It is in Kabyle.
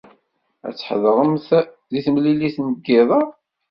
Ad tḥedṛemt deg temlilit n yiḍ-a?